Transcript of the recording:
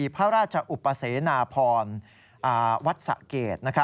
พระราชอุปเสนาพรวัดสะเกด